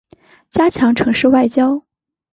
加强城市外交